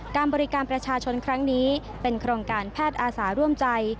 การบริการประชาชนครั้งนี้เป็นโครงการแพทย์อาสาร่วมใจ